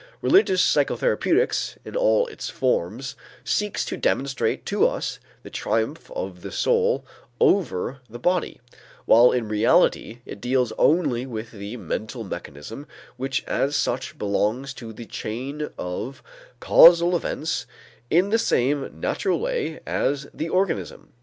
Religious psychotherapeutics in all its forms seeks to demonstrate to us the triumph of the soul over the body, while in reality it deals only with the mental mechanism which as such belongs to the chain of causal events in the same natural way as the organism.